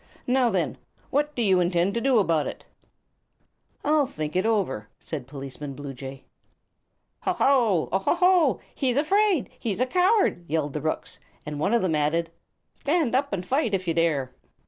Now, then, what do you intend to do about it?" "I'll think it over," said Policeman Bluejay. "Oho! oho! He's afraid! He's a coward!" yelled the rooks; and one of them added: "Stand up and fight, if you dare!"